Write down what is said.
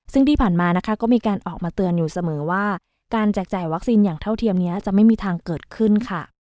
ซึ่งที่ผ่านมานะคะก็มีการออกมาเตือนอยู่เสมอว่าการแจกจ่ายวัคซีนอย่างเท่าเทียมนี้จะไม่มีทางเกิดขึ้นค่ะ